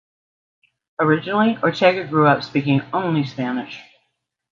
Originally, Ortega grew up speaking only Spanish.